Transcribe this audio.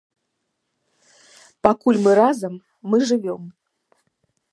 Пакуль мы разам, мы жывём!